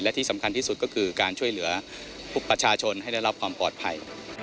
และที่สำคัญที่สุดก็คือการช่วยเหลือประชาชนให้ได้รับความปลอดภัย